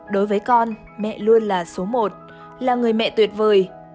đối với con mẹ luôn là số một là người mẹ tuyệt vời